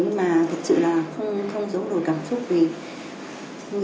nhưng mà thật sự là không giấu đồ cảm xúc gì